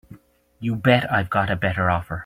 You bet I've got a better offer.